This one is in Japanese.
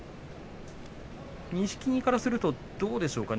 錦木からするとどうでしょうか。